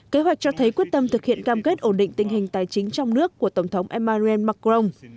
kế hoạch cho thấy quyết tâm thực hiện cam kết ổn định tình hình tài chính trong nước của tổng thống emmanuel macron